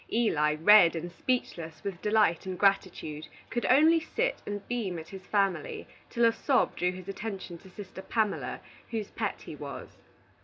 Eli, red and speechless with delight and gratitude, could only sit and beam at his family till a sob drew his attention to sister Pamela, whose pet he was.